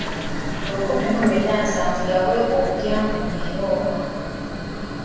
Mu lukumi lwenda nsaanvu yaweebwa obudyankoni e Roma.